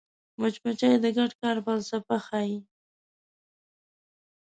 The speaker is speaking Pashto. مچمچۍ د ګډ کار فلسفه ښيي